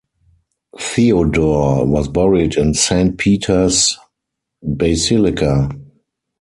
Theodore was buried in Saint Peter's Basilica.